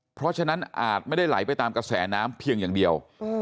เพราะฉะนั้นอาจไม่ได้ไหลไปตามกระแสน้ำเพียงอย่างเดียว